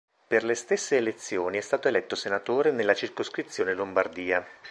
Per le stesse elezioni è stato eletto senatore nella circoscrizione Lombardia.